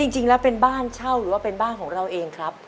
จริงแล้วเป็นบ้านเช่าหรือว่าเป็นบ้านของเราเองครับ